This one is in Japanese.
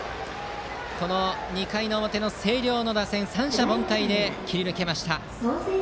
この２回の表の星稜の打線三者凡退で切り抜けました。